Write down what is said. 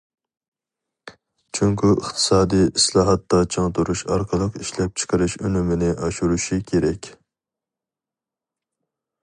جۇڭگو ئىقتىسادى ئىسلاھاتتا چىڭ تۇرۇش ئارقىلىق ئىشلەپچىقىرىش ئۈنۈمىنى ئاشۇرۇشى كېرەك.